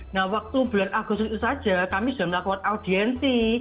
nah waktu bulan agustus itu saja kami sudah melakukan audiensi